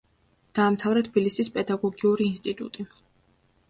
დაამთავრა თბილისის პედაგოგიური ინსტიტუტი.